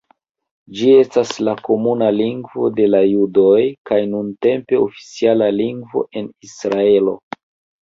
Ĝi estas la komuna lingvo de la judoj, kaj nuntempe oficiala lingvo en Israelo.